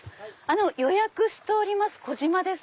予約しております小島です。